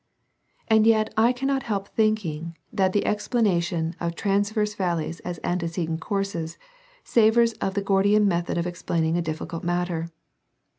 And yet I cannot help thinking that the ex planation of transverse valleys as antecedent courses savors of the Gordian method of explaining a difficult matter.